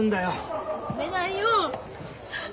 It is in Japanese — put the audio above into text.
止めないよ。